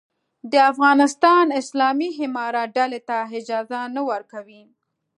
د افغانستان اسلامي امارت ډلې ته اجازه نه ورکوي.